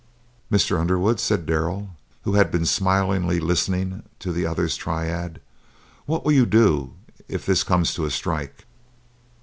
"Mr. Underwood," said Darrell, who had been smilingly listening to the other's tirade, "what will you do if this comes to a strike?"